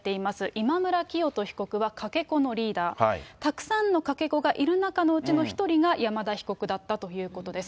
今村磨人被告はかけ子のリーダー、たくさんのかけ子がいる中の１人が山田被告だったということです。